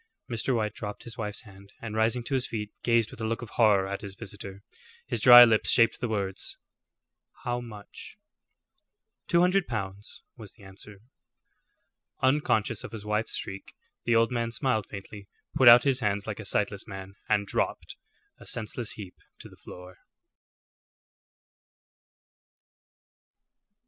Mr. White dropped his wife's hand, and rising to his feet, gazed with a look of horror at his visitor. His dry lips shaped the words, "How much?" "Two hundred pounds," was the answer. Unconscious of his wife's shriek, the old man smiled faintly, put out his hands like a sightless man, and dropped, a senseless heap, to the floor.